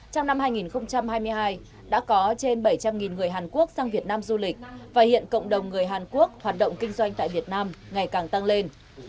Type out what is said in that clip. trong năm hai nghìn hai mươi hai đã có trên bảy trăm linh người hàn quốc sang việt nam du lịch và hiện cộng đồng người hàn quốc hoạt động kinh doanh tại việt nam ngày càng tăng lên